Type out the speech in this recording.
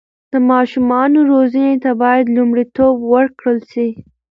د ماشومانو روزنې ته باید لومړیتوب ورکړل سي.